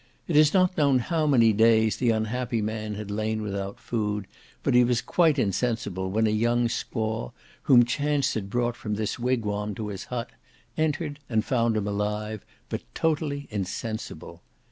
It is not known how many days the unhappy man had lain without food, but he was quite insensible when a young squaw, whom chance had brought from this wigwam to his hut, entered, and found him alive, but totally insensible.